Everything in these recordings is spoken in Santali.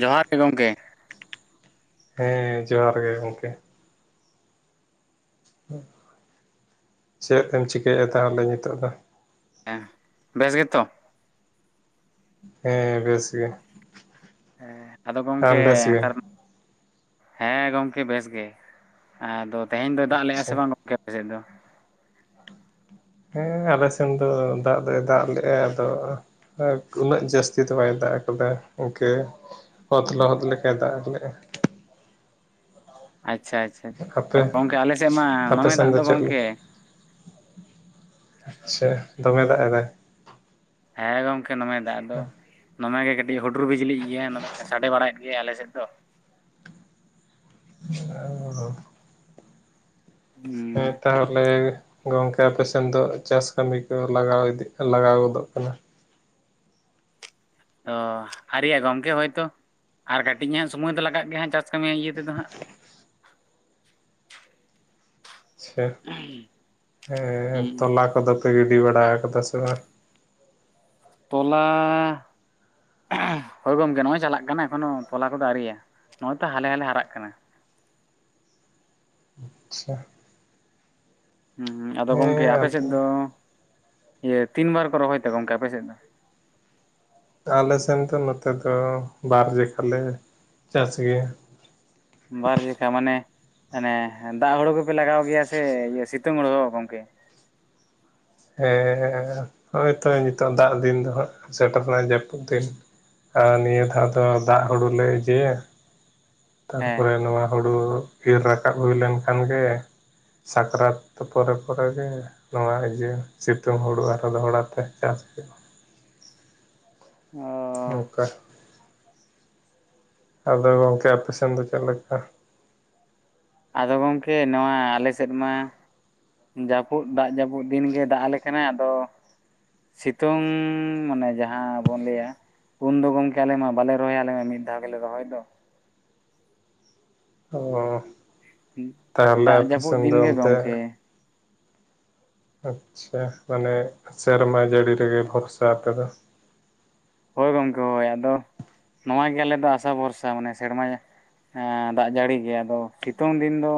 ᱡᱚᱦᱟᱨ ᱜᱮ ᱜᱚᱝᱠᱮ ᱦᱮᱸ ᱡᱚᱦᱟᱨ ᱜᱮ ᱜᱚᱝᱠᱮ ᱪᱮᱫ ᱮᱢ ᱪᱤᱠᱟᱹᱭᱮᱫᱼᱟ ᱛᱟᱦᱚᱞᱮ ᱱᱤᱛᱚᱜ ᱫᱚ ᱦᱮᱸ ᱵᱮᱥ ᱜᱮᱛᱚ ᱦᱮᱸ ᱵᱮᱥ ᱜᱮ ᱦᱮᱸ ᱟᱫᱚ ᱜᱚᱝᱠᱮ ᱟᱢ ᱵᱮᱥ ᱜᱮ ᱱᱮᱛᱟᱨ ᱢᱟ ᱴ [unintelligible] ᱦᱮᱸ ᱜᱚᱢᱠᱮ ᱵᱮᱥ ᱜᱮ ᱟᱫᱚ ᱛᱮᱦᱮᱧ ᱫᱚᱭ ᱫᱟᱜ ᱞᱮᱫᱜ ᱟ ᱟᱪᱪᱷᱟ ᱥᱮ ᱵᱟᱝ ᱜᱚᱝᱠᱮ ᱟᱮᱥᱮᱫ ᱫᱚ ᱦᱮᱸ ᱟᱞᱮ ᱥᱮᱱ ᱫᱚ ᱫᱟᱜ ᱫᱚᱭ ᱫᱟᱜ ᱞᱮᱫᱜᱼᱟ ᱟᱫᱚ ᱟᱨ ᱩᱱᱟᱹᱜ ᱡᱟᱹᱥᱛᱤ ᱫᱚ ᱵᱟᱭ ᱫᱟᱜ ᱠᱟᱫᱟ ᱜᱚᱝᱠᱮ ᱚᱛ ᱞᱚᱦᱚᱫ ᱞᱮᱠᱟ ᱫᱟᱜ ᱞᱮᱫᱼᱟ᱾ ᱟᱪᱪᱷᱟ ᱟᱪᱪᱷᱟ ᱟᱯᱮ ᱜᱚᱝᱠᱮ ᱟᱞᱮ ᱥᱮᱫ ᱢᱟ ᱫᱚᱢᱮ ᱫᱟᱜ ᱫᱚ ᱜᱚᱝᱠᱮ ᱟᱪᱪᱷᱟ ᱫᱚᱢᱮ ᱫᱟᱜ ᱮᱫᱟᱭ ᱦᱮᱸ ᱜᱚᱝᱠᱮ ᱫᱚᱢᱟᱭ ᱫᱟᱜ ᱫᱚ ᱫᱚᱢᱮᱜᱮ ᱠᱟᱹᱴᱤᱡ ᱦᱩᱰᱩᱨ ᱵᱤᱡᱽᱞᱤᱜ ᱜᱮᱭᱟ ᱱᱚᱢᱮ ᱥᱟᱰᱮ ᱵᱟᱲᱟᱭᱮᱫ ᱜᱮᱭ ᱟᱞᱮᱮᱥᱮᱫ ᱫᱚ [unintelligible] ᱦᱮᱸ ᱦᱩᱸ ᱛᱟᱦᱚᱞᱮ ᱜᱚᱝᱠᱮ ᱟᱯᱮᱥᱮᱱ ᱫᱚ ᱪᱟᱥ ᱠᱟᱹᱢᱤ ᱠᱚ ᱞᱟᱜᱟᱣ ᱤᱫᱤᱜ ᱞᱟᱜᱟᱣ ᱜᱚᱫᱚᱜ ᱠᱟᱱᱟ᱾ ᱚ ᱟᱹᱤᱭ ᱜᱚᱝᱠᱮ ᱦᱳᱭᱛᱳ ᱟᱨ ᱠᱟᱹᱴᱤᱡ ᱦᱟᱸᱜ ᱥᱚᱢᱚᱭ ᱫᱚ ᱞᱟᱜᱟᱜ ᱜᱮᱭᱟ ᱦᱟᱸᱜ ᱪᱟᱥ ᱠᱟᱹᱢᱤ ᱤᱭᱟᱹ ᱛᱮᱫᱚ ᱦᱟᱸᱜ [inaudible] ᱟᱪᱪᱷᱟ ᱦᱮᱸ ᱦᱩᱸ ᱛᱚᱞᱟ ᱠᱚᱫᱚ ᱠᱚ ᱜᱤᱰᱤ ᱵᱟᱲᱟ ᱟᱠᱟᱫᱟ ᱥᱮ ᱵᱟᱝ? ᱛᱚᱞᱟ ᱦᱳᱭ ᱜᱚᱝᱠᱮ ᱱᱚᱜᱼᱚᱭ ᱪᱟᱞᱟᱜ ᱠᱟᱱᱟ ᱮᱠᱷᱚᱱᱳ ᱛᱚᱞᱟ ᱠᱚᱫᱚ ᱟᱨᱮᱭᱟ ᱱᱚᱜᱚᱭ ᱛᱚ ᱦᱟᱞᱮ ᱦᱟᱞᱮ ᱦᱟᱨᱟᱜ ᱠᱟᱱᱟ᱾ ᱟᱪᱪᱷᱟ ᱦ ᱟᱫᱚ ᱜᱚᱝᱠᱮ ᱦᱮᱸ ᱟᱯᱮᱥᱮᱫ ᱟᱵᱚ ᱫᱚ ᱤᱭᱟᱹ ᱛᱤᱱ ᱵᱟᱨ ᱠᱚ ᱨᱚᱦᱚᱭ ᱛᱟ ᱜᱚᱝᱠᱮ ᱟᱯᱮᱥᱮᱫ ᱫᱚ ᱟᱞᱮ ᱥᱮᱱ ᱫᱚ ᱱᱚᱛᱮ ᱫᱚ ᱵᱟᱨ ᱡᱠᱟᱞᱮ ᱪᱟᱥ ᱜᱮᱭᱟ᱾ ᱵᱟᱨ ᱡᱷᱤᱠᱟ ᱢᱟᱱᱮ ᱚᱱᱮ ᱫᱟᱜ ᱦᱩᱲᱩ ᱠᱚᱯᱮ ᱞᱟᱜᱟᱣ ᱜᱮᱭᱟ ᱥᱮ ᱤᱭᱟᱹ ᱥᱤᱛᱩᱝ ᱦᱩᱲᱩ ᱜᱚᱝᱠᱮ ᱦᱮᱸ ᱦᱚᱜᱼᱚᱭ ᱛᱚ ᱱᱤᱛᱚᱜ ᱫᱟᱜ ᱫᱤᱱ ᱫᱚ ᱦᱟᱸᱜ ᱥᱮᱴᱮᱨᱮᱱᱟ ᱡᱟᱹᱯᱩᱫ ᱫᱤᱱ ᱟᱨ ᱱᱤᱭᱟᱹ ᱫᱷᱟᱣ ᱫᱚ ᱫᱟᱜ ᱦᱩᱲᱩ ᱞᱮ ᱤᱭᱟᱹᱭᱟ ᱦᱮᱸ ᱛᱟᱨᱯᱚᱨᱮ ᱱᱚᱣᱟ ᱦᱩᱲᱩ ᱤᱨ ᱨᱟᱠᱟᱵ ᱦᱩᱭ ᱞᱮᱱ ᱠᱷᱟᱱ ᱜᱮ ᱥᱟᱠᱨᱟᱛ ᱯᱚᱨᱮ ᱯᱚᱨᱮ ᱱᱚᱣᱟ ᱤᱭᱟᱹ ᱥᱤᱛᱩᱝ ᱦᱩᱲᱩ ᱟᱨᱚ ᱫᱚᱦᱲᱟᱛᱮ ᱪᱟᱥ ᱦᱩᱭᱩᱜᱼᱟ ᱚ ᱱᱚᱠᱟ ᱟᱫᱚ ᱜᱚᱝᱠᱮ ᱟᱯᱮ ᱥᱮᱱ ᱫᱚ ᱪᱮᱫ ᱞᱮᱠᱟ ᱟᱫᱚ ᱜᱚᱢᱠᱮ ᱱᱚᱣᱟ ᱟᱞᱮ ᱥᱮᱫ ᱢᱟ ᱡᱟᱹᱯᱩᱫ ᱫᱟᱜ ᱡᱟᱹᱯᱩᱫ ᱫᱤᱱ ᱜᱮ ᱫᱟᱜ ᱟᱞᱮ ᱠᱟᱱᱟ ᱟᱫᱚ ᱥᱤᱛᱩᱝ ᱢᱟᱱᱮ ᱡᱟᱦᱟᱸ ᱵᱚᱱ ᱞᱟᱹᱭᱟ ᱯᱩᱱ ᱫᱚ ᱜᱚᱢᱠᱮ ᱟᱞᱮ ᱢᱟ ᱵᱟᱞᱮ ᱨᱚᱦᱚᱭ ᱟᱞᱮ ᱢᱤᱫ ᱫᱷᱟᱣ ᱜᱮᱞᱮ ᱨᱚᱦᱚᱭ ᱫᱚ ᱚ ᱛᱟᱦᱚᱞᱮ ᱫᱟᱜ ᱡᱟᱹᱯᱩᱫ ᱟᱯᱮᱥᱮᱱ ᱫᱤᱱ ᱫᱚ ᱜᱮ ᱚᱱᱛᱮ ᱜᱚᱝᱠᱮ ᱟᱪᱪᱷᱟ ᱢᱟᱱᱮ ᱥᱮᱨᱢᱟ ᱡᱟᱹᱲᱤ ᱨᱮᱜᱮ ᱵᱷᱚᱨᱥᱟ ᱟᱯᱮᱫᱚ? ᱦᱳᱭ ᱜᱚᱢᱠᱮ ᱦᱳᱭ ᱟᱫᱚ ᱱᱚᱣᱟ ᱜᱮ ᱟᱞᱮ ᱫᱚ ᱟᱥᱟ ᱵᱷᱚᱨᱥᱟ ᱢᱟᱱᱮ ᱥᱮᱨᱢᱟ ᱫᱟᱜ ᱡᱟᱹᱲᱤ ᱜᱮ ᱟᱫᱚ ᱥᱤᱛᱩᱝ ᱫᱤᱱ ᱫᱚ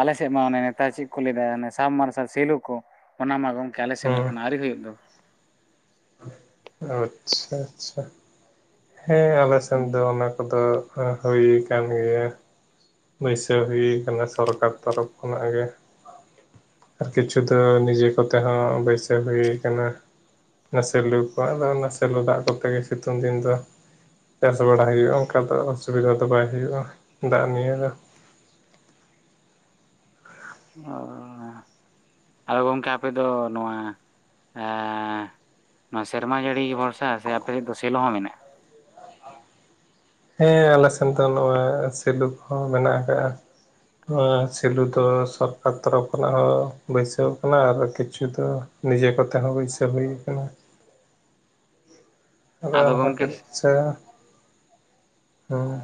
ᱟᱞᱮ ᱥᱮᱫ ᱢᱟ ᱚᱱᱮ ᱱᱮᱛᱟᱨ ᱪᱮᱫ ᱠᱚ ᱞᱟᱹᱭ ᱫᱟ ᱥᱟᱵ ᱢᱟᱨᱥᱟᱞ ᱥᱮᱞᱩ ᱠᱚ ᱚᱱᱟ ᱢᱟ ᱜᱚᱢᱠᱮ ᱟᱞᱮ ᱥᱮᱫ ᱦᱮᱸ ᱢᱟᱠᱷᱟᱱ ᱟᱹᱣᱨᱤ ᱦᱩᱭᱩᱜ ᱫᱚ ᱟᱪᱪᱷᱟ ᱟᱪᱪᱷᱟ ᱦᱮᱸ ᱟᱞᱮ ᱥᱮᱱ ᱫᱚ ᱚᱱᱟ ᱠᱚᱫᱚ ᱦᱩᱭ ᱟᱠᱟᱱ ᱜᱮᱭᱟ ᱵᱟᱹᱭᱥᱟᱹᱣ ᱦᱩᱭ ᱟᱠᱟᱱᱟ ᱥᱚᱨᱠᱟᱨ ᱛᱚᱨᱚᱯᱷ ᱠᱷᱚᱱᱟᱜ ᱜᱮ ᱟᱨ ᱠᱤᱪᱷᱩ ᱫᱚ ᱱᱤᱡᱮ ᱠᱚᱛᱮ ᱦᱚᱸ ᱵᱟᱹᱭᱥᱟᱹᱣ ᱦᱩᱭ ᱟᱠᱟᱱᱟ ᱱᱟ ᱥᱮᱞᱩ ᱠᱚ ᱟᱫᱚ ᱚᱱᱟ ᱥᱮᱞᱚ ᱫᱟᱜ ᱠᱚᱛᱮ ᱜᱮ ᱥᱤᱛᱩᱝ ᱫᱤᱱ ᱫᱚ ᱪᱟᱥ ᱵᱟᱲᱟ ᱦᱩᱭᱩᱜᱼᱟ ᱚᱱᱠᱟ ᱫᱚ ᱚᱥᱩᱵᱤᱫᱟ ᱫᱚ ᱵᱟᱭ ᱦᱩᱭᱩᱜᱼᱟ ᱫᱟᱜ ᱱᱤᱭᱮ ᱟᱨ [unintelligible] ᱚ ᱟᱫᱚ ᱜᱚᱢᱠᱮ ᱟᱯᱮ ᱫᱚ ᱱᱚᱣᱟ ᱮ ᱱᱚᱣᱟ ᱥᱮᱨᱢᱟ ᱡᱟᱹᱲᱤ ᱜᱮ ᱵᱷᱚᱨᱥᱟ ᱥᱮ ᱟᱯᱮ ᱥᱮᱫ ᱫᱚ ᱥᱮᱞᱚ ᱦᱚᱸ ᱢᱮᱱᱟᱜᱼᱟ? ᱦᱮᱸ ᱟᱞᱮ ᱥᱮᱱ ᱫᱚ ᱱᱚᱣᱟ ᱥᱤᱞᱩ ᱦᱚᱸ ᱢᱮᱱᱟᱜ ᱟᱠᱟᱫᱼᱟ ᱥᱮᱞᱩ ᱫᱚ ᱥᱚᱨᱠᱟᱨ ᱛᱚᱨᱚᱯᱷ ᱠᱷᱚᱱᱟᱜ ᱦᱚᱸ ᱵᱟᱹᱭᱥᱟᱹᱣ ᱠᱟᱱᱟ ᱟᱨ ᱠᱤᱪᱷᱩ ᱫᱚ ᱱᱤᱡᱮ ᱠᱚᱛᱮ ᱦᱚᱸ ᱵᱟᱹᱭᱥᱟᱹᱣ ᱦᱩᱭ ᱟᱠᱟᱱᱟ ᱟᱫᱚ ᱨᱟᱱ ᱜᱚᱢᱠᱮ [unintelligible] [unintelligible] ᱥᱮ ᱦᱮᱸ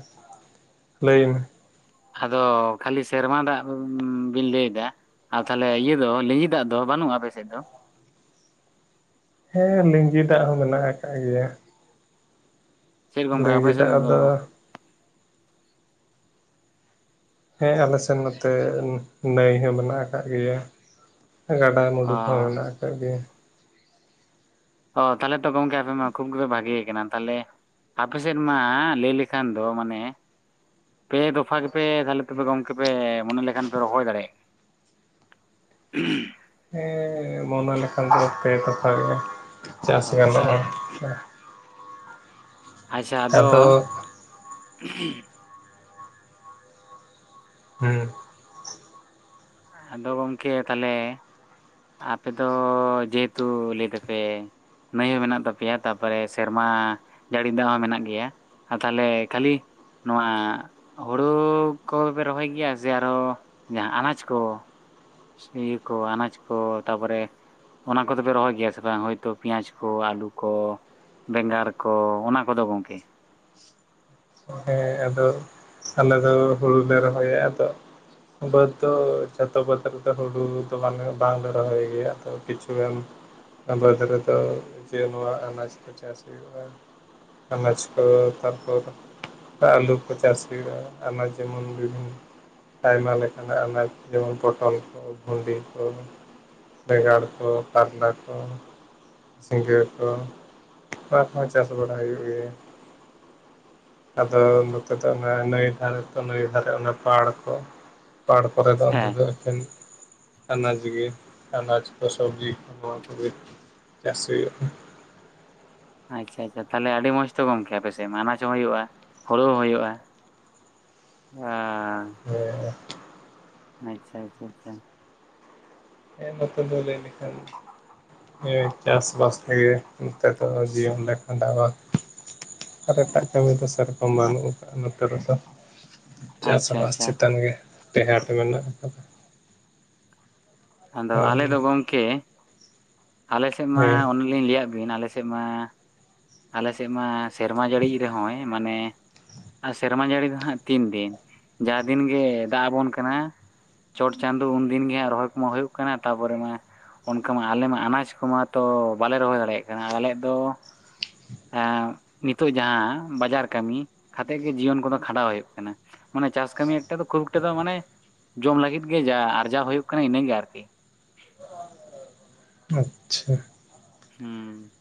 ᱞᱟᱹᱭ ᱢᱮ ᱟᱫᱚ ᱠᱷᱟᱹᱞᱤ ᱥᱮᱨᱢᱟ ᱫᱟᱜ ᱵᱤᱱ ᱞᱟᱹᱭ ᱮᱫᱟ ᱟᱨ ᱛᱟᱦᱚᱞᱮ ᱤᱭᱟᱹ ᱫᱚ ᱞᱤᱸᱡᱤ ᱫᱟᱜ ᱫᱚ ᱵᱟᱹᱱᱩᱜᱼᱟ ᱟᱯᱮ ᱥᱮᱫ ᱫᱚ? ᱦᱮᱸ ᱞᱤᱸᱡᱤ ᱫᱟᱜ ᱦᱚᱸ ᱢᱮᱱᱟᱜ ᱟᱠᱟᱫ ᱜᱮᱭᱟ᱾ ᱪᱮᱫ ᱜᱚᱢᱠᱮ [unintelligible] ᱟᱯᱮ ᱞᱤᱸᱡᱤ ᱥᱮᱫ ᱫᱟᱜ ᱫᱚ ᱦᱮᱸ ᱟᱞᱮ ᱥᱮᱱ ᱱᱚᱛᱮ ᱱᱟᱹᱭ ᱦᱚᱸ ᱢᱮᱱᱟᱜ ᱟᱠᱟᱫ ᱜᱮᱭᱟ ᱜᱟᱰᱟ ᱚ ᱢᱩᱰᱩ ᱠᱚᱦᱚᱸ ᱢᱮᱱᱟᱜ ᱟᱠᱟᱫ ᱜᱮᱭᱟ᱾ ᱚ ᱛᱟᱦᱚᱞᱮ ᱛᱚ ᱜᱚᱝᱠᱮ ᱟᱯᱮ ᱢᱟ ᱠᱷᱩᱵᱽ ᱜᱮᱯᱮ ᱵᱷᱟᱜᱮ ᱟᱠᱟᱱᱟ ᱛᱟᱦᱚᱞᱮ ᱟᱯᱮ ᱥᱮᱫ ᱢᱟ ᱞᱟᱹᱭ ᱞᱮᱠᱷᱟᱱ ᱫᱚ ᱢᱟᱱᱮ ᱯᱮ ᱫᱚᱯᱷᱟ ᱜᱮᱯᱮ ᱛᱟᱦᱚᱞᱮ ᱛᱮ ᱜᱚᱝᱠᱮ ᱯᱮ ᱢᱚᱱᱮ ᱞᱮᱠᱷᱟᱱ ᱯᱮ ᱨᱚᱦᱚᱭ ᱫᱟᱲᱮᱭᱟᱜᱼᱟ? ᱦᱩ [unintelligible] ᱦᱮᱸ ᱢᱚᱱᱮ ᱞᱮᱠᱷᱟᱱ ᱫᱚ ᱯᱮ ᱛᱯᱷᱟ ᱜᱮ ᱪᱟᱥ ᱦᱳᱭ ᱜᱟᱱᱚᱜᱼᱟ᱾ ᱟᱪᱪᱷᱟ ᱟᱫᱚ ᱦᱮᱸ ᱟᱫᱚ ᱜᱚᱝᱠᱮ ᱛᱟᱦᱚᱞᱮ ᱟᱯᱮ ᱫᱚ ᱡᱮᱦᱮᱛᱩ ᱞᱟᱹᱭ ᱫᱟᱯᱮ ᱱᱟᱹᱭ ᱦᱚᱸ ᱢᱮᱱᱟᱜ ᱛᱟᱯᱮᱭᱟ ᱛᱟᱯᱚᱨᱮ ᱥᱮᱨᱢᱟ ᱡᱟᱹᱲᱤ ᱫᱟᱜ ᱦᱚᱸ ᱢᱮᱱᱟᱜ ᱜᱮᱭᱟ ᱟᱨ ᱛᱟᱦᱚᱞᱮ ᱠᱷᱟᱹᱞᱤ ᱱᱚᱣᱟ ᱦᱩᱲᱩ ᱠᱚᱯᱮ ᱨᱚᱦᱚᱭ ᱜᱮᱭᱟ ᱥᱮ ᱟᱨᱚ ᱡᱟᱦᱟᱸ ᱟᱱᱟᱡᱽ ᱠᱚ ᱛᱚ ᱥ [inaudible] ᱤᱭᱟᱹ ᱠᱚ ᱟᱱᱟᱡᱽ ᱠᱚ ᱛᱟᱯᱚᱨᱮ ᱚᱱᱟ ᱠᱚᱫᱚ ᱯᱮ ᱨᱚᱦᱚᱭ ᱜᱮᱭᱟ ᱥᱮ ᱵᱟᱝ ᱦᱳᱭᱛᱳ ᱯᱮᱸᱭᱟᱡ ᱠᱚ ᱟᱹᱞᱩ ᱠᱚ ᱵᱮᱸᱜᱟᱲ ᱠᱚ ᱚᱱᱟ ᱠᱚᱫᱚ ᱜᱚᱢᱠᱮ᱾ ᱦᱮᱸ ᱟᱫᱚ ᱟᱞᱮ ᱫᱚ ᱦᱩᱲᱩ ᱞᱮ ᱨᱚᱦᱚᱭᱟ ᱟᱫᱚ ᱵᱟᱹᱫᱽ ᱫᱚ ᱡᱷᱚᱛᱚ ᱵᱟ. ᱫᱽ ᱨᱮᱫᱚ ᱦᱩᱲᱩ ᱫᱚ ᱢᱟᱱᱮ ᱵᱟᱝ ᱞᱮ ᱨᱚᱦᱚᱭ ᱜᱮᱭᱟ ᱛᱚ ᱠᱤᱪᱷᱩ ᱜᱟᱱ ᱚᱱᱟ ᱵᱟᱹᱫᱽ ᱨᱮᱫᱚ ᱡᱮ ᱱᱚᱶᱟ ᱟᱱᱟᱡᱽ ᱠᱚ ᱪᱟᱥ ᱦᱩᱭᱩᱜ ᱟ᱾ ᱟᱱᱟᱡᱽ ᱠᱚ ᱛᱟᱨᱯᱚᱨ ᱟᱹᱞᱩ ᱠᱚ ᱪᱟᱥ ᱦᱩᱭᱩᱜᱼᱟ ᱟᱱᱟ ᱡᱮᱢᱚᱱ ᱵᱤᱵᱷᱤᱱ ᱟᱭᱢᱟ ᱞᱮᱠᱟᱱᱟᱜ ᱟᱱᱟᱡᱽ ᱡᱮᱢᱚᱱ ᱯᱚᱴᱚᱞ ᱠᱚ ᱵᱷᱩᱱᱰᱤ ᱠᱚ᱾ ᱵᱮᱸᱜᱟᱲ ᱠᱚ ᱠᱟᱨᱞᱟ ᱠᱚ ᱾ ᱥᱤᱸᱜᱟᱹ ᱠᱚ ᱚᱱᱟ ᱠᱚᱦᱚᱸ ᱪᱟᱥ ᱵᱟᱲᱟ ᱦᱩᱭᱩᱜ ᱜᱮᱭᱟ᱾ ᱟᱫᱚ ᱱᱚᱛᱮ ᱫᱚ ᱱᱟᱹᱭ ᱫᱷᱟᱨᱮ ᱱᱟᱹᱭ ᱫᱷᱟᱨᱮ ᱚᱱᱟ ᱯᱟᱲ ᱠᱚ ᱯᱟᱲ ᱠᱚᱨᱮ ᱫᱚ ᱦᱮᱸ ᱟᱱᱟᱡᱽ ᱜᱮ ᱟᱱᱟᱡᱽ ᱠᱚ ᱥᱚᱵᱽᱡᱤ ᱠᱚ ᱳᱭᱮᱴ [unintelligible] ᱪᱟᱥ ᱦᱩᱭᱩᱜ ᱟ᱾ ᱟᱪᱪᱷᱟ ᱟᱪᱪᱷᱟ ᱛᱟᱦᱚᱞᱮ ᱟᱹᱰᱤ ᱢᱚᱡ ᱛᱚ ᱜᱚᱝᱠᱮ ᱟᱯᱮᱥᱮ ᱢᱟ ᱟᱱᱟᱡᱽ ᱦᱚᱸ ᱦᱩᱭᱩᱜᱼᱟ ᱦᱩᱲᱩ ᱦᱚᱸ ᱦᱩᱭᱩᱜᱼᱟ᱾ ᱟᱸᱻ ᱦᱮᱸᱻ ᱟᱪᱪᱷᱟ-ᱟᱪᱪᱷᱟ-ᱟᱪᱪᱷᱟ᱾ ᱦᱮᱸ ᱱᱚᱛᱮ ᱫᱚ ᱞᱮᱭ ᱞᱮᱠᱷᱟᱱ ᱾ ᱦᱳᱭ ᱪᱟᱥ ᱵᱟᱥ ᱛᱮᱜᱮ ᱱᱤᱛᱚᱜ ᱫᱚ ᱡᱤᱭᱚᱱ ᱞᱮ ᱠᱷᱟᱸᱰᱟᱣ ᱟ᱾ ᱟᱨ ᱮᱴᱟᱜ ᱠᱟᱹᱢᱤ ᱠᱚ ᱥᱮᱨᱠᱚᱢ ᱵᱟᱹᱱᱩᱜ ᱠᱟᱜ-ᱟ ᱱᱚᱛᱮ ᱨᱮᱫᱚ᱾ ᱪᱟᱥ ᱟᱪᱪᱷᱟ ᱟᱵᱟᱥ ᱟᱪᱪᱷᱟ ᱪᱮᱛᱟᱱ ᱜᱮ ᱴᱮᱦᱟᱴ ᱢᱮᱱᱟᱜ ᱟᱠᱟᱫᱟ ᱾ ᱟᱫᱚ ᱦᱳᱭ ᱟᱞᱮᱫᱚ ᱜᱚᱝᱠᱮ ᱟᱞᱮ ᱥᱮᱫ ᱢᱟ ᱦᱮᱸ ᱚᱱᱮᱞᱤᱧ ᱞᱟᱹᱭᱟᱫ ᱵᱤᱱ ᱟᱞᱮ ᱥᱮᱫ ᱢᱟ ᱟᱞᱮ ᱥᱮᱫ ᱢᱟ ᱥᱮᱨᱢᱟ ᱡᱟᱹᱲᱤᱭ ᱨᱮᱦᱚᱸᱭ ᱢᱟᱱᱮ ᱟᱨ ᱥᱮᱨᱢᱟ ᱡᱟᱹᱲᱤ ᱫᱚ ᱦᱟᱸᱜ ᱛᱤᱱ ᱫᱤᱱ ᱡᱟ ᱫᱤᱱ ᱜᱮ ᱫᱟᱜ ᱟᱵᱚᱱ ᱠᱟᱱᱟ᱾ ᱪᱚᱴ ᱪᱟᱸᱫᱳ ᱩᱱᱫᱤᱱ ᱜᱮ ᱦᱟᱸ ᱨᱚᱦᱚᱭ ᱠᱚᱢᱟ ᱦᱩᱭᱩᱜ ᱠᱟᱱᱟ ᱛᱟᱨᱯᱚᱨᱮ ᱢᱟ ᱚᱱᱠᱟ ᱢᱟ ᱟᱞᱮ ᱢᱟ ᱟᱱᱟᱡᱽ ᱠᱚᱢᱟ ᱛᱚ ᱵᱟᱞᱮ ᱨᱚᱦᱚᱭ ᱫᱟᱲᱮᱭᱟᱜ ᱠᱟᱱᱟ ᱟᱞᱮᱭᱟᱜ ᱫᱚ ᱮᱸ ᱱᱤᱛᱚᱜ ᱡᱟᱦᱟᱸ ᱵᱟᱡᱟᱨ ᱠᱟᱹᱢᱤ ᱠᱷᱟᱛᱮᱫ ᱜᱮ ᱡᱤᱭᱚᱱ ᱠᱚᱫᱚ ᱠᱷᱟᱸᱰᱟᱣ ᱦᱩᱭᱩᱜ ᱠᱟᱱᱟ᱾ ᱢᱟᱱᱮ ᱪᱟᱥ ᱠᱟᱹᱢᱤ ᱮᱠᱴᱟ ᱫᱚ ᱠᱷᱩᱵ ᱮᱠᱴᱟ ᱫᱚ ᱢᱟᱱᱮ ᱡᱚᱢ ᱞᱟᱹᱜᱤᱫ ᱜᱮ ᱡᱟ ᱟᱨᱡᱟᱣ ᱦᱩᱭᱩᱜ ᱠᱟᱱᱟ ᱤᱱᱟᱹᱜᱮ ᱟᱨᱠᱤ᱾ ᱟᱸᱪᱪᱷᱟ ᱾ ᱦᱩᱸ ᱾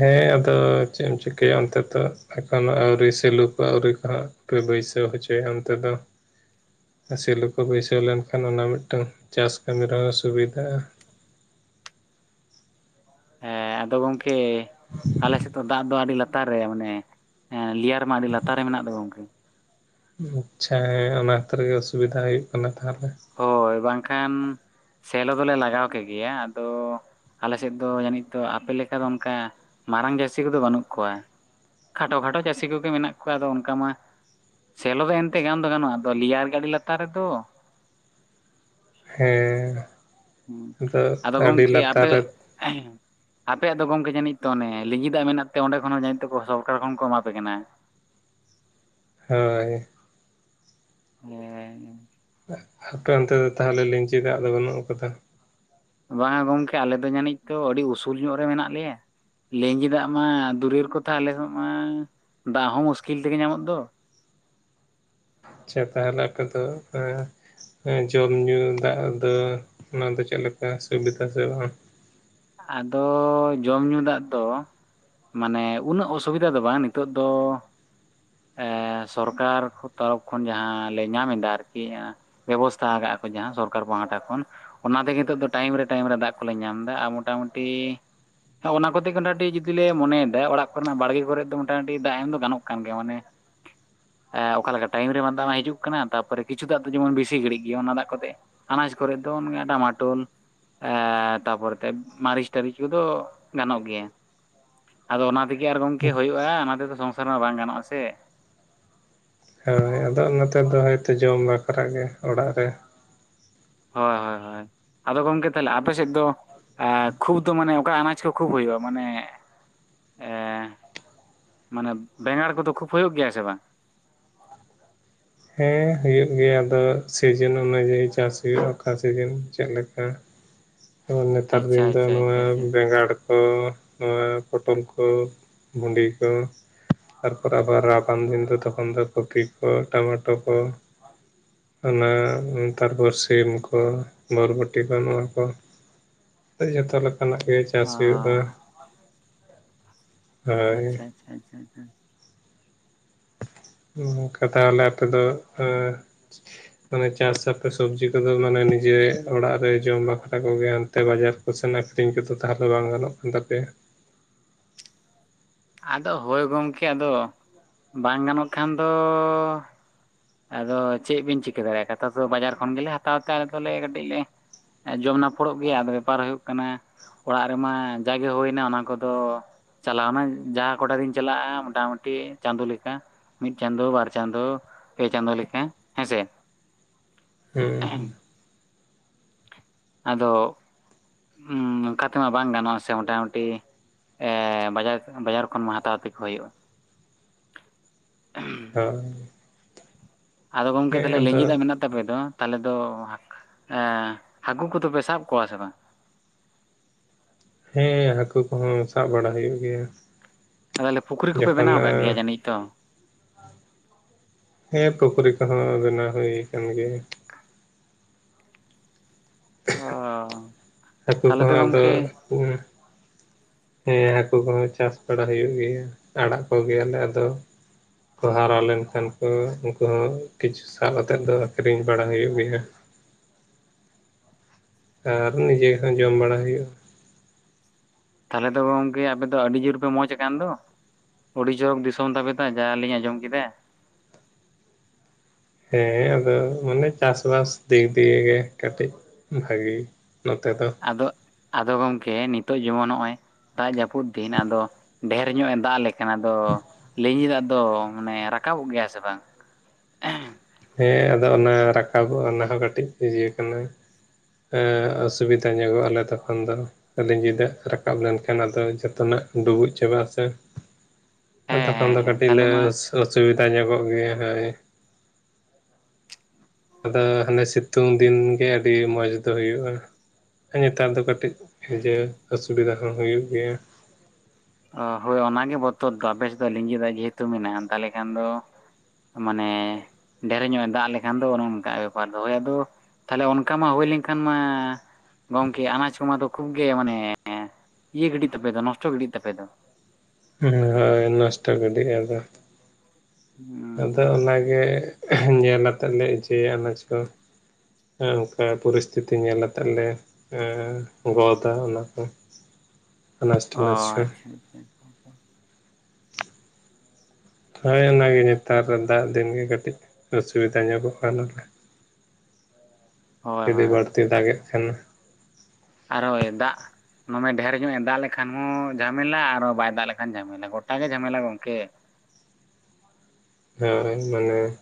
ᱦᱮᱸ ᱟᱫᱚ ᱪᱮᱫ ᱮᱢ ᱪᱤᱠᱟᱹᱭᱟ ᱚᱱᱛᱮ ᱛᱚ? ᱮᱠᱷᱚᱱᱚ ᱟᱹᱣᱨᱤ ᱥᱮᱞᱩᱯ ᱟᱹᱣᱨᱤ ᱠᱚ ᱵᱟᱹᱭᱥᱟᱹᱣ ᱦᱚᱪᱚᱭᱟ ᱚᱱᱛᱮ ᱫᱚ᱾ ᱥᱮᱞᱩ ᱠᱚ ᱵᱟᱹᱭᱥᱟᱹᱣ ᱞᱮᱱᱠᱷᱟᱱ ᱚᱱᱟ ᱢᱤᱫᱴᱟᱝ ᱪᱟᱥ ᱠᱟᱹᱢᱤ ᱨᱮᱦᱚᱸ ᱥᱩᱵᱤᱫᱷᱟᱜ ᱟ᱾ ᱦᱮᱸ ᱟᱫᱚ ᱜᱚᱝᱠᱮ ᱟᱞᱮᱥᱮᱫ ᱫᱚ ᱫᱟᱜ ᱫᱚ ᱟᱹᱰᱤ ᱞᱟᱛᱟᱨ ᱨᱮ ᱢᱟᱱᱮ ᱞᱮᱭᱟᱨ ᱢᱟ ᱟᱹᱰᱤ ᱞᱟᱛᱟᱨ ᱨᱮ ᱢᱮᱱᱟᱜ ᱫᱚ ᱜᱚᱝᱠᱮ᱾ ᱟᱪᱪᱷᱟ ᱦᱮᱸ ᱚᱱᱟ ᱠᱷᱟᱹᱛᱤᱨ ᱜᱮ ᱥᱩᱵᱤᱫᱷᱟ ᱦᱩᱭᱩᱜ ᱠᱟᱱᱟ ᱛᱟᱦᱚᱞᱮ᱾ ᱦᱳᱭ ᱵᱟᱝᱠᱷᱟᱱ ᱥᱮᱞᱚ ᱫᱚᱞᱮ ᱞᱟᱜᱟᱣ ᱠᱮ ᱜᱮᱭᱟ ᱟᱫᱚ ᱟᱞᱮᱥᱮᱫ ᱫᱚ ᱡᱟᱹᱱᱤᱡ ᱛᱚ ᱟᱯᱮ ᱞᱮᱠᱟ ᱫᱚ ᱚᱱᱠᱟ ᱢᱟᱨᱟᱝ ᱡᱟᱹᱨᱥᱤ ᱠᱚᱫᱚ ᱵᱟᱱᱩᱜ ᱠᱚᱣᱟ᱾ ᱠᱷᱟᱴᱚ ᱠᱷᱟᱴᱚ ᱪᱟᱹᱥᱤ ᱠᱚᱜᱮ ᱢᱮᱱᱟᱜ ᱠᱚᱣᱟ ᱟᱫᱚ ᱚᱱᱠᱟ ᱢᱟ᱾ ᱥᱮᱞᱚ ᱫᱚ ᱚᱱᱛᱮ ᱜᱟᱱ ᱫᱚ ᱜᱟᱱᱚᱜᱼᱟ ᱟᱫᱚ ᱞᱮᱭᱟᱨ ᱜᱮ ᱟᱰᱤ ᱞᱟᱛᱟᱨ ᱨᱮᱫᱚ ᱾ ᱦᱮᱸᱻ ᱦᱩᱸ ᱟᱫᱚ ᱜᱚᱢᱠᱮ ᱟᱯᱮ ᱨᱮ ᱮᱦᱮᱸ ᱟᱯᱮᱭᱟᱜ ᱫᱚ ᱜᱚᱝᱠᱮ ᱡᱟᱹᱱᱤᱡ ᱛᱚ ᱚᱱᱮ ᱞᱤᱸᱜᱤ ᱫᱟᱜ ᱢᱮᱱᱟᱜ ᱛᱮ ᱚᱸᱰᱮ ᱠᱷᱚᱱ ᱦᱚᱸ ᱡᱟᱹᱱᱤᱡ ᱛᱮᱠᱚ ᱥᱚᱨᱠᱟᱨ ᱠᱷᱚᱱ ᱠᱚ ᱮᱢᱟ ᱯᱮ ᱠᱟᱱᱟ᱾ ᱦᱳᱭ ᱾ ᱦᱚᱸ ᱟᱯᱮ ᱚᱱᱛᱮ ᱫᱚ ᱛᱟᱦᱚᱞᱮ ᱞᱤᱸᱡᱤ ᱫᱟᱜ ᱫᱚ ᱵᱟᱹᱱᱩᱜ ᱟᱠᱟᱫᱟ? ᱵᱟᱝ ᱟ ᱜᱚᱝᱠᱮ ᱟᱞᱮ ᱫᱚ ᱡᱟᱹᱱᱤᱡ ᱛᱚ ᱟᱹᱰᱤ ᱩᱥᱩᱞ ᱧᱚᱜ ᱨᱮ ᱢᱮᱱᱟᱜ ᱞᱮᱭᱟ᱾ ᱞᱮᱸᱡᱤ ᱫᱟᱜ ᱢᱟ ᱫᱩᱨᱮᱨ ᱠᱚᱛᱷᱟ ᱟᱞᱮ ᱢᱟ ᱫᱟᱜ ᱦᱚᱸ ᱢᱩᱥᱠᱤᱞ ᱛᱮᱜᱮ ᱧᱟᱢᱚᱜ ᱫᱚ᱾ ᱟᱪᱪᱷᱟ ᱛᱟᱦᱚᱞᱮ ᱟᱯᱮᱫᱚ ᱯᱮ ᱡᱚᱢ ᱧᱩ ᱫᱟᱜ ᱫᱚ ᱚᱱᱟ ᱫᱚ ᱪᱮᱫᱞᱮᱠᱟ ᱥᱩᱵᱤᱫᱟ ᱥᱮ ᱵᱟᱝ ᱟᱫᱚ ᱡᱚᱢ ᱧᱩ ᱫᱟᱜ ᱫᱚ ᱢᱟᱱᱮ ᱩᱱᱟᱹᱜ ᱚᱥᱩᱵᱤᱫᱟ ᱫᱚ ᱵᱟᱝ ᱱᱤᱛᱚᱜ ᱫᱚ ᱮ ᱥᱚᱨᱠᱟᱨ ᱛᱚᱨᱚᱯᱷ ᱠᱷᱚᱱ ᱡᱟᱦᱟᱸ ᱞᱮ ᱧᱟᱢ ᱮᱫᱟ ᱟᱨᱠᱤ ᱵᱮᱵᱚᱥᱛᱷᱟ ᱟᱠᱟᱜ ᱠᱚ ᱡᱟᱦᱟᱸ ᱥᱚᱨᱠᱟᱨ ᱯᱟᱦᱟᱸᱴᱟ ᱠᱷᱚᱱ ᱚᱱᱟᱛᱮ ᱱᱤᱛᱚᱜ ᱫᱚ ᱴᱟᱭᱤᱢ ᱨᱮ ᱴᱟᱭᱤᱢ ᱨᱮ ᱫᱟᱜ ᱠᱚᱞᱮ ᱧᱟᱢ ᱮᱫᱟ ᱟᱨ ᱢᱳᱴᱟ ᱢᱩᱴᱤ ᱚᱱᱟ ᱠᱚᱛᱮ ᱜᱤ ᱢᱚᱴᱟ, ᱢᱩᱴᱤ ᱡᱩᱫᱤᱞᱮ ᱢᱚᱱᱮᱭᱮ ᱫᱟ ᱚᱲᱟᱜ ᱠᱚᱨᱮᱱᱟᱜ ᱵᱟᱲᱜᱮ ᱠᱚᱨᱮ ᱫᱚ ᱢᱚᱴᱟ, ᱢᱩᱴᱤ ᱫᱟᱜ ᱮᱢ ᱫᱚ ᱜᱟᱱᱚᱜ ᱠᱟᱱ ᱜᱮᱭᱟ ᱢᱟᱱᱮ ᱟᱸ ᱚᱠᱟᱞᱮᱠᱟ ᱴᱟᱭᱤᱢ ᱨᱮᱢᱟ ᱫᱟᱜ ᱢᱟ ᱦᱤᱡᱩᱜ ᱠᱟᱱᱟ ᱛᱟᱯᱚᱨᱮ ᱠᱤᱪᱷᱩ ᱫᱟᱜ ᱫᱚ ᱡᱮᱢᱚᱱ ᱵᱮᱥᱤ ᱜᱷᱟᱹᱲᱤᱜ ᱜᱤ ᱚᱱᱟ ᱫᱟᱜ ᱠᱚᱛᱮ ᱟᱱᱟᱡᱽ ᱠᱚᱨᱮ ᱫᱚ ᱚᱱ ᱴᱟᱢᱟᱴᱳᱞ ᱮᱸ ᱛᱟᱯᱚᱨᱮ, ᱛᱮ ᱢᱟᱨᱤᱥ ᱴᱟᱹᱨᱤᱡ ᱠᱚᱫᱚ ᱜᱟᱱᱚᱜ ᱜᱮᱭᱟ ᱟᱫᱚ ᱚᱱᱟ ᱛᱮᱜᱮ ᱟᱨ ᱜᱚᱢᱠᱮ ᱦᱩᱭᱩᱜᱼᱟ ᱚᱱᱟ ᱛᱮᱫᱚ ᱥᱚᱝᱥᱟᱨ ᱢᱟ ᱵᱟᱝ ᱜᱟᱱᱚᱜᱼᱟ ᱥᱮ ᱦᱳᱭ ᱟᱫᱚ ᱚᱱᱟᱛᱮ ᱫᱚ ᱦᱳᱭᱛᱳ ᱡᱚᱢ ᱵᱟᱠᱷᱨᱟ ᱜᱮ ᱚᱲᱟᱜ ᱨᱮ ᱦᱚᱭ ᱦᱚᱭ ᱦᱚᱭ ᱟᱫᱚ ᱜᱚᱢᱠᱮ ᱛᱟᱦᱞᱮ ᱟᱯᱮ ᱥᱮᱫ ᱫᱚ ᱮᱸ ᱠᱷᱩᱵᱽ ᱫᱚ ᱢᱟᱱᱮ ᱚᱠᱟ ᱟᱱᱟᱡᱽ ᱠᱚ ᱠᱷᱩᱵᱽ ᱦᱩᱭᱩᱜᱼᱟ ᱢᱟᱱᱮᱼᱼ ᱮᱸ ᱢᱟᱱᱮ ᱵᱮᱸᱜᱟᱲ ᱠᱚᱫᱚ ᱠᱷᱩᱵᱽ ᱦᱩᱭᱩᱜ ᱜᱮᱭᱟ ᱥᱮ ᱵᱟᱝ? ᱦᱮᱸ ᱦᱩᱭᱩᱜ ᱜᱮᱭᱟ ᱟᱫᱚ ᱥᱤᱡᱮᱱ ᱚᱱᱩᱡᱟᱭᱤ ᱪᱟᱥ ᱦᱩᱭᱩᱜᱼᱟ ᱚᱠᱟ ᱥᱤᱡᱤᱱ ᱪᱮᱫ ᱞᱮᱠᱟ ᱤᱱᱼ ᱚᱰᱤᱵᱮᱞ ᱱᱮᱛᱟᱨ ᱫᱤᱱ ᱫᱚ ᱱᱚᱣᱟ ᱵᱮᱸᱜᱟᱲᱼᱼ ᱠᱳ ᱱᱚᱣᱟ ᱯᱚᱴᱚᱞ ᱠᱚ, ᱵᱷᱩᱸᱰᱤ ᱠᱚ ᱛᱟᱨᱯᱚᱨᱮ ᱟᱵᱟᱨ ᱨᱟᱵᱟᱝ ᱫᱤᱱ ᱫᱚ ᱛᱚᱠᱷᱚᱱ ᱫᱚ ᱠᱚᱯᱤ ᱠᱚ ᱴᱳᱢᱟᱴᱳ ᱠᱚ ᱚᱱᱟ ᱱᱮᱛᱟᱨ ᱫᱚ ᱥᱤᱢ ᱠᱚ, ᱵᱚᱨᱵᱚᱴᱤ ᱠᱚ ᱱᱚᱣᱟ ᱠᱚ ᱡᱚᱛᱚ ᱞᱮᱠᱟᱱᱟᱜ ᱜᱮ ᱪᱟᱥ ᱚ ᱦᱩᱭᱩᱜᱼᱟ ᱦᱳᱭ ᱟᱪᱪᱷᱟ ᱟᱪᱪᱷᱟ ᱟᱪᱪᱷᱟ ᱟᱪᱪᱷᱟ ᱠᱟ ᱛᱟᱦᱞᱮ ᱟᱯᱮ ᱫᱚ ᱮᱸ ᱢᱟᱱᱮ ᱪᱟᱥ ᱟᱯᱮ ᱥᱚᱵᱽᱡᱤ ᱠᱚᱫᱚ ᱢᱟᱱᱮ ᱱᱤᱡᱮ ᱚᱲᱟᱜ ᱨᱮ ᱡᱚᱢ ᱵᱟᱠᱷᱨᱟ ᱠᱚᱜᱮ ᱦᱟᱱᱛᱮ ᱵᱟᱡᱟᱨ ᱠᱚ ᱥᱮᱮᱱ ᱟᱠᱷᱨᱤᱧ ᱠᱚᱫᱚ ᱛᱟᱦᱞᱮ ᱵᱟᱝ ᱜᱟᱱᱚᱜ ᱠᱟᱱ ᱛᱟᱯᱮᱭᱟ ᱟᱫᱚ ᱦᱳᱭ ᱜᱚᱢᱠᱮ ᱟᱫᱚ ᱵᱟᱝ ᱜᱟᱱᱚᱜ ᱠᱷᱟᱱ ᱫᱚᱼᱼ ᱟᱫᱚ ᱪᱮᱫ ᱵᱤᱱ ᱪᱤᱠᱟᱹ ᱫᱟᱲᱮᱭᱟᱜᱼᱟ ᱠᱟᱛᱷᱟ ᱫᱚ ᱵᱟᱡᱟᱨ ᱠᱷᱚᱱ ᱜᱮᱞᱮ ᱦᱟᱛᱟᱣ ᱛᱮ ᱟᱞᱮ ᱫᱚᱞᱮ ᱠᱟᱹᱴᱤᱡ ᱞᱮᱼᱼ ᱮᱸ ᱡᱚᱢ ᱱᱟᱯᱚᱲᱚᱜ ᱜᱮᱭᱟ ᱟᱫᱚ ᱵᱮᱯᱟᱨ ᱦᱩᱭᱩᱜ ᱠᱟᱱᱟᱼᱼ ᱚᱲᱟᱜ ᱨᱮᱢᱟ ᱡᱟᱜᱮ ᱦᱳᱭᱱᱟ ᱚᱱᱟ ᱠᱚᱫᱚᱼᱼ ᱪᱟᱞᱟᱣᱱᱟ ᱡᱟᱦᱟᱸ ᱠᱚᱴᱟ ᱫᱤᱱ ᱪᱟᱞᱟᱜᱼᱟ ᱢᱳᱴᱟ ᱢᱩᱴᱤ ᱪᱟᱸᱫᱳ ᱞᱮᱠᱟ ᱢᱤᱫ ᱪᱟᱸᱫᱚ, ᱵᱟᱨ ᱪᱟᱸᱫᱚ, ᱯᱮ ᱪᱟᱸᱫᱚ ᱞᱮᱠᱟ ᱦᱮᱸᱥᱮ ᱦᱩᱸ ᱩᱸ ᱟᱫᱚ ᱚᱱᱠᱟ ᱛᱮᱢᱟ ᱵᱟᱝ ᱜᱟᱱᱚᱜᱼᱟ ᱥᱮ ᱢᱚᱴᱟᱢᱩᱴᱤ ᱮᱸ ᱵᱟᱡᱟᱨ ᱵᱟᱡᱟᱨ ᱠᱷᱚᱱ ᱢᱟ ᱦᱟᱛᱟᱣ ᱛᱮᱜᱮ ᱦᱩᱭᱩᱜᱼᱟ ᱚᱻᱚ ᱟᱫᱚ ᱜᱚᱝᱠᱮ ᱛᱟᱞᱦᱮ ᱞᱤᱸᱡᱤ ᱫᱟᱜ ᱟᱫᱚ ᱢᱮᱱᱟᱜ ᱼᱼ ᱛᱟᱯᱮ ᱫᱚ ᱛᱟᱞᱦᱮ ᱫᱚ ᱮᱸ ᱦᱟᱹᱠᱩ ᱠᱚᱫᱚ ᱯᱮ ᱥᱟᱵ ᱠᱚᱣᱟ ᱥᱮ ᱵᱟᱝ? ᱦᱮᱸ ᱦᱟᱹᱠᱩ ᱠᱚᱦᱚᱸ ᱥᱟᱵ ᱵᱟᱲᱟ ᱦᱩᱭᱩᱜ ᱜᱮᱭᱟ ᱟᱫᱚ ᱞᱮ ᱯᱩᱠᱷᱨᱤ ᱠᱚᱯᱮ ᱡᱚᱠᱷᱚᱱ ᱵᱮᱱᱟᱣ ᱠᱟᱫ ᱜᱮᱭᱟ ᱡᱟᱹᱱᱤᱡ ᱛᱚ ᱦᱮᱸ ᱯᱩᱠᱷᱨᱤ ᱠᱚᱦᱚᱸ ᱵᱮᱱᱟᱣ ᱦᱩᱭ ᱠᱟᱱ ᱜᱮᱭᱟ ᱦᱚᱻᱚ ᱦᱟᱹᱠᱩ ᱠᱚᱦᱚᱸ ᱟᱫᱚ ᱩᱸᱢ ᱼᱼ ᱦᱮᱸ ᱦᱟᱹᱠᱩ ᱠᱚᱦᱚᱸ ᱪᱟᱥ ᱵᱟᱲᱟ ᱦᱩᱭᱩᱜ ᱜᱮᱭᱟ ᱟᱲᱟᱜ ᱠᱚ ᱜᱮᱭᱟᱞᱮ ᱟᱫᱚᱼᱼ ᱠᱚ ᱦᱟᱨᱟ ᱞᱮᱱ ᱠᱷᱟᱱ ᱠᱚ ᱩᱱᱠᱩ ᱦᱚᱸ ᱠᱤᱪᱷᱩᱼᱼ ᱥᱟᱵ ᱟᱛᱮᱫ ᱫᱚ ᱟᱠᱷᱨᱤᱧ ᱵᱟᱲᱟ ᱦᱩᱭᱩᱜ ᱜᱮᱭᱟ ᱟᱨ ᱱᱤᱡᱮ ᱦᱚᱸ ᱡᱚᱢ ᱵᱟᱲᱟ ᱦᱩᱭᱩᱜᱼᱟ ᱛᱟᱦᱞᱮ ᱫᱚ ᱜᱚᱝᱠᱮ ᱟᱯᱮ ᱫᱚ ᱟᱹᱰᱤ ᱡᱳᱨ ᱯᱮ ᱢᱚᱸᱡᱽ ᱟᱠᱟᱱ ᱫᱚ ᱚᱰᱤ ᱪᱚᱨᱚᱠ ᱫᱤᱥᱚᱢ ᱛᱟᱵᱮ ᱛᱚ ᱡᱟ ᱞᱤᱧ ᱟᱸᱡᱚᱢ ᱠᱮᱫᱟ ᱾ ᱦᱮᱸ ᱟᱫᱚ ᱢᱟᱱᱮ ᱪᱟᱥᱵᱟᱥ ᱫᱤᱠ ᱫᱤᱭᱮ ᱜᱮ ᱠᱟᱹᱴᱤᱡ ᱾ ᱵᱷᱟᱹᱜᱤ ᱱᱚᱛᱮ ᱫᱚ ᱟᱫᱚᱜ, ᱟᱫᱚ ᱜᱚᱝᱠᱮ ᱱᱤᱛᱚᱜ ᱡᱮᱢᱚᱱ ᱱᱚᱜᱼᱚᱭ ᱫᱟᱜ ᱡᱟᱹᱯᱩᱫ ᱫᱤᱱ, ᱟᱫᱚ, ᱰᱷᱮᱨ ᱧᱚᱜ ᱮ ᱫᱟᱜ ᱞᱮᱠᱷᱟᱱ ᱟᱫᱚ ᱞᱤᱸᱡᱤᱸ ᱫᱟᱜ ᱫᱚ ᱢᱟᱱᱮ ᱨᱟᱠᱟᱵᱚᱜ ᱜᱮᱭᱟ ᱥᱮ ᱵᱟᱝ? ᱦᱮᱸ ᱟᱫᱚ ᱚᱱᱟ ᱨᱟᱠᱟᱵᱚᱜᱼᱟ ᱚᱱᱟ ᱦᱚᱸ ᱠᱟᱹᱴᱤᱡ ᱤᱭᱟᱹ ᱠᱟᱱᱟ ᱾ ᱚᱥᱩᱵᱤᱫᱟ ᱧᱚᱜᱚᱜ ᱟᱞᱮ ᱛᱚᱠᱷᱚᱱ ᱫᱚ ᱾ ᱞᱤᱸᱡᱤᱸ ᱫᱟᱜ ᱨᱟᱠᱟᱵ ᱞᱮᱱᱠᱷᱟᱱ ᱟᱫᱚ ᱡᱚᱛᱚᱱᱟᱜ ᱰᱩᱵᱩᱡ ᱪᱟᱵᱟᱜ ᱟᱥᱮ ᱾ ᱦᱮᱸ ᱛᱚᱠᱷᱚᱱ ᱦᱮᱸ ᱫᱚ ᱦᱮᱸ ᱠᱟᱹᱴᱤᱡ ᱛᱟᱦᱚᱞᱮ ᱞᱮ ᱢᱟ ᱚᱥ ᱚᱥᱩᱵᱤᱫᱟ ᱧᱚᱜᱚᱜ ᱜᱮᱭᱟ ᱦᱳᱭ ᱾ ᱟᱫᱚ ᱦᱟᱱᱮ ᱥᱤᱛᱩᱝ ᱫᱤᱱ ᱜᱮ ᱟᱹᱰᱤ ᱢᱚᱸᱡᱽ ᱫᱚ ᱦᱩᱭᱩᱜᱼᱟ ᱾ ᱱᱮᱛᱟᱨ ᱫᱚ ᱠᱟᱹᱴᱤᱡ ᱤᱭᱟᱹ ᱚᱥᱩᱵᱤᱫᱟ ᱦᱚᱸ ᱦᱩᱭᱩᱜ ᱜᱮᱭᱟ ᱾ ᱚ ᱦᱳᱭ ᱚᱱᱟᱜᱮ ᱵᱚᱛᱚᱨ ᱫᱚ ᱟᱯᱮᱥᱮᱫ ᱫᱚ ᱞᱤᱸᱡᱤᱸ ᱫᱟᱜ ᱡᱮᱦᱮᱛᱩ ᱢᱮᱱᱟᱜᱼᱟ ᱛᱟᱦᱞᱮ ᱠᱷᱟᱱ ᱫᱚ ᱢᱟᱱᱮ ᱰᱷᱮᱨᱮ ᱧᱚᱜ ᱮ ᱫᱟᱜ ᱞᱮᱠᱷᱟᱱ ᱫᱚ ᱚᱱᱮ ᱚᱱᱠᱟᱜᱼᱟ ᱵᱮᱯᱟᱨ ᱫᱚ ᱦᱳᱭ ᱟᱫᱚ ᱛᱟᱦᱚᱞᱮ ᱚᱱᱠᱟ ᱢᱟ ᱦᱳᱭ ᱞᱮᱱᱠᱷᱟᱱ ᱢᱟ ᱜᱚᱢᱠᱮ ᱟᱱᱟᱡ ᱠᱚᱢᱟ ᱫᱚ ᱠᱷᱩᱵ ᱜᱮ ᱢᱟᱱᱮ ᱤᱭᱟᱹ ᱜᱤᱰᱤᱜ ᱛᱟᱯᱮ ᱫᱚ ᱱᱚᱥᱴᱚ ᱜᱤᱰᱤᱜ ᱛᱟᱯᱮ ᱫᱚ ᱾ ᱦᱳᱭ ᱱᱚᱥᱴᱚ ᱜᱤᱰᱤᱜᱼᱟ ᱟᱫᱚ ᱾ ᱦᱩᱸ ᱟᱫᱚ ᱚᱱᱟᱜᱮ ᱧᱮᱞ ᱟᱛᱮᱫ ᱞᱮ ᱤᱡᱟᱹᱭᱟ ᱟᱱᱟᱡ ᱠᱚ ᱾ ᱚᱱᱠᱟ ᱯᱚᱨᱤᱥᱛᱷᱤᱛᱤ ᱧᱮᱞ ᱟᱛᱮᱫ ᱞᱮ ᱮᱸ ᱜᱚᱫᱟ ᱚᱱᱟ ᱠᱚ ᱟᱱᱟᱡᱽ ᱚ ᱴᱟᱱᱟᱪ ᱠᱚ ᱾ ᱟᱪᱪᱷᱟ ᱟᱪᱪᱷᱟ ᱦᱳᱭ ᱚᱱᱟᱜᱮ ᱱᱮᱛᱟᱨ ᱫᱟᱜ ᱫᱤᱱ ᱜᱮ ᱠᱟᱹᱴᱤᱡ ᱚᱥᱩᱵᱤᱫᱟ ᱧᱚᱜᱚᱜ ᱟ ᱱᱚᱰᱮ ᱾ [inaudible] ᱡᱩᱫᱤ ᱦᱳᱭ ᱵᱟᱹᱲᱛᱤ ᱫᱟᱜᱮᱫ ᱠᱷᱟᱱ ᱢᱟ ᱾ ᱟᱨᱚᱭ ᱫᱟᱜ ᱫᱚᱢᱮ ᱰᱷᱹᱮᱨ ᱧᱚᱜ ᱮ ᱫᱟᱜ ᱞᱮᱠᱷᱟᱱ ᱦᱚᱸ ᱡᱷᱟᱢᱮᱞᱟ ᱟᱨᱚ ᱵᱟᱭ ᱫᱟᱜ ᱞᱮᱠᱷᱟᱱ ᱡᱷᱟᱢᱮᱞᱟ ᱜᱚᱴᱟ ᱜᱮ ᱡᱷᱟᱢᱮᱞᱟ ᱜᱚᱝᱠᱮ ᱾ ᱦᱳᱭ ᱢᱟᱱᱮ